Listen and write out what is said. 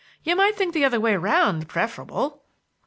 You might think the other way round preferable."